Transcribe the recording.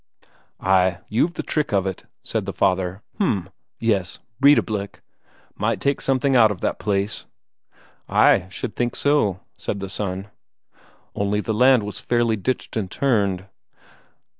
"Ay, you've the trick of it," said the father. "H'm, yes ... Breidablik ... might make something but of that place." "Ay, should think so," said the son. "Only the land was fairly ditched and turned."